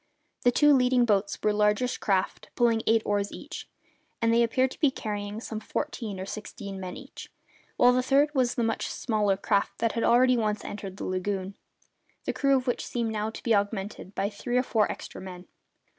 The two leading boats were largish craft, pulling eight oars each, and they appeared to be carrying some fourteen or sixteen men each, while the third was the much smaller craft that had already once entered the lagoon, the crew of which seemed now to be augmented by three or four extra men.